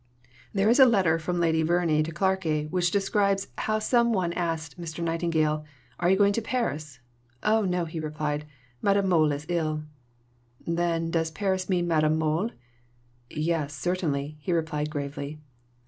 There is a letter from Lady Verney to Clarkey which describes how some one asked Mr. Nightingale, "Are you going to Paris?" "Oh, no," he replied; "Madame Mohl is ill." "Then does Paris mean Madame Mohl?" "Yes, certainly," he replied gravely.